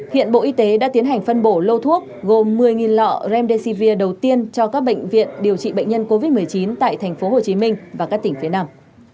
hiện bộ y tế đã tiến hành phân bổ lô thuốc gồm một mươi lọ remdesivir đầu tiên cho các bệnh viện điều trị bệnh nhân covid một mươi chín tại tp hcm và các tỉnh phía nam